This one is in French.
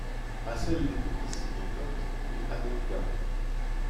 À celle des mots qui signent notes et addenda.